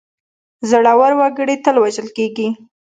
زړه ور وګړي تل وژل کېږي.